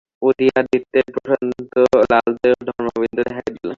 উদয়াদিত্যের প্রশান্ত ললাটে ঘর্মবিন্দু দেখা দিল।